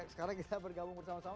sekarang kita bergabung bersama sama